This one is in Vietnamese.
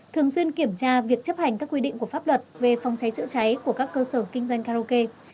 thường xuyên kiểm tra việc chấp hành các quy định của pháp luật về phòng cháy chữa cháy của các cơ sở kinh doanh karaoke